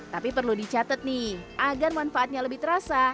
tapi perlu dicatat nih agar manfaatnya lebih terasa